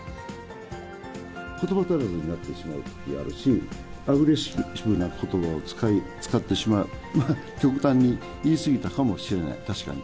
ことば足らずになってしまうときがあるし、アグレッシブなことばを使ってしまう、極端に言い過ぎたかもしれない、確かに。